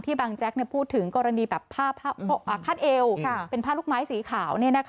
บางแจ๊กพูดถึงกรณีแบบผ้าคาดเอวเป็นผ้าลูกไม้สีขาว